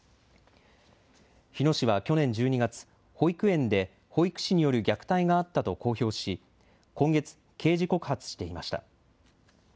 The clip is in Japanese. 日野市は去年１２月、保育園で保育士による虐待があったと公表し今月、刑事告発していました。